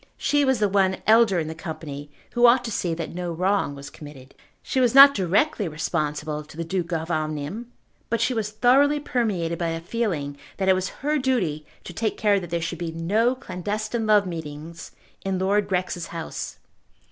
She was the one elder in the company who ought to see that no wrong was committed. She was not directly responsible to the Duke of Omnium, but she was thoroughly permeated by a feeling that it was her duty to take care that there should be no clandestine love meetings in Lord Grex's house.